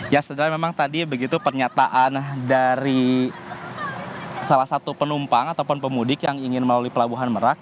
ya setelah memang tadi begitu pernyataan dari salah satu penumpang ataupun pemudik yang ingin melalui pelabuhan merak